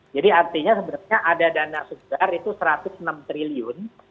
artinya sebenarnya ada dana segar itu rp satu ratus enam triliun